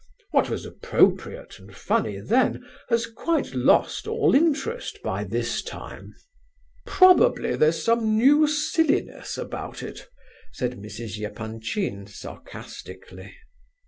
What was appropriate and funny then, has quite lost all interest by this time." "Probably there's some new silliness about it," said Mrs. Epanchin, sarcastically.